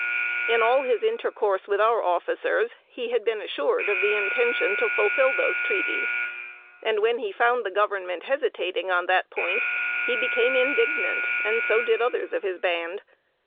In all his intercourse with our officers, he had been assured of the intention to fulfill those treaties; and when he found the Government hesitating on that point, he became indignant, and so did others of his band.